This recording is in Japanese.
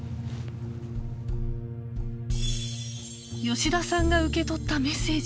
吉田さんが受け取ったメッセージ